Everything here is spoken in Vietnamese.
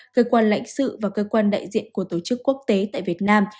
cơ quan lãnh sự và cơ quan đại diện của tổ chức quốc tế tại việt nam